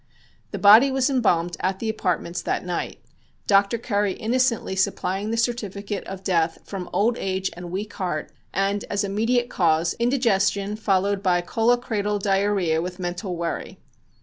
The body was embalmed at the apartments that night, Dr. Curry innocently supplying the certificate of death from "old age and weak heart," and "as immediate cause, indigestion followed by collocratal diarrhoea with mental worry."